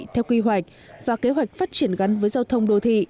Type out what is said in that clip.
theo quy hoạch và kế hoạch phát triển gắn với giao thông đô thị